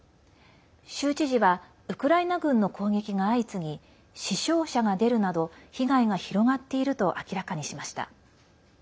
州知事は、ウクライナ軍の攻撃が相次ぎ、死傷者が出るなど被害が広がっていると明らかにしました。